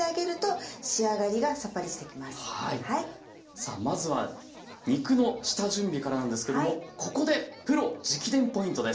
さあまずは肉の下準備からなんですけどもここでプロ直伝ポイントです。